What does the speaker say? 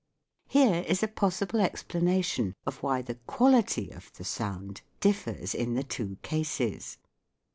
Here is a possible explanation of why the " quality " of the sound differs in the two cases.